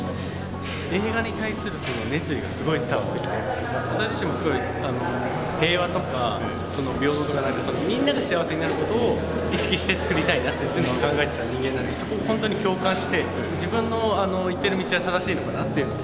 映画に対する熱意がすごい伝わってきて私自身も平和とか平等みんなが幸せになる事を意識してつくりたいなって常に考えてた人間なんでそこほんとに共感して自分の行ってる道は正しいのかなって。